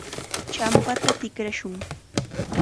champata tikrashun.